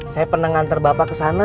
saya pernah ngantar bapak ke sana